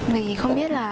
vì không biết là